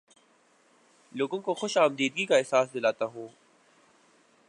لوگوں کو خوش آمدیدگی کا احساس دلاتا ہوں